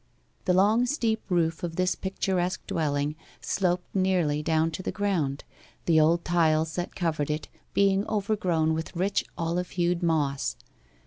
The long steep roof of this picturesque dwelling sloped nearly down to the ground, the old tiles that covered it being overgrown with rich olive hued moss.